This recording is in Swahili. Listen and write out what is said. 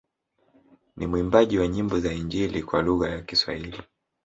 Ni mwimbaji wa nyimbo za injili kwa lugha ya Kiswahili